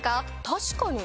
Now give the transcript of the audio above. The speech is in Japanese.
確かに。